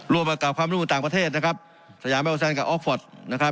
รวมกับความรู้ต่างประเทศนะครับสยามแมวแซนกับอ๊อคฟอร์ดนะครับ